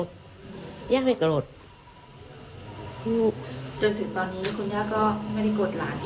จนถึงตอนนี้คุณย่าก็ไม่ได้โกรธหลานที่หลาน